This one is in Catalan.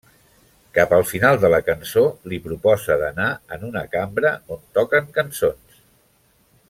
Cap al final de la cançó li proposa d'anar en una cambra on toquen cançons.